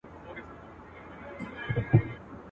چي حاضره يې شېردل ته بوډۍ مور کړه.